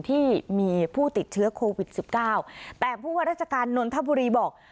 ที่มีผู้ติดเชื้อโควิด๑๙แต่ผู้ราชการนนทบุรีบอก